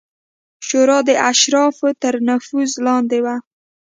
شورا د اشرافو تر نفوذ لاندې وه